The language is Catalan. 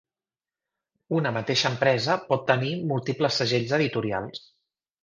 Una mateixa empresa pot tenir múltiples segells editorials.